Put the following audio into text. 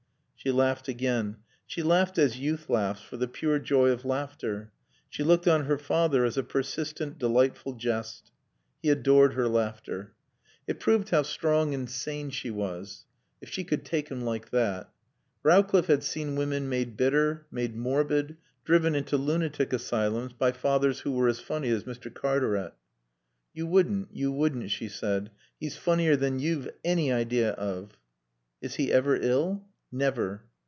She laughed again; she laughed as youth laughs, for the pure joy of laughter. She looked on her father as a persistent, delightful jest. He adored her laughter. It proved how strong and sane she was if she could take him like that. Rowcliffe had seen women made bitter, made morbid, driven into lunatic asylums by fathers who were as funny as Mr. Cartaret. "You wouldn't, you wouldn't," she said. "He's funnier than you've any idea of." "Is he ever ill?" "Never."